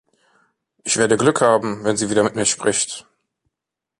Ich werde Glück haben, wenn sie wieder mit mir spricht.